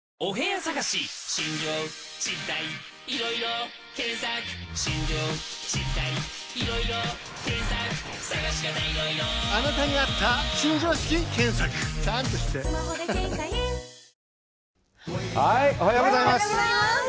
おはようございます。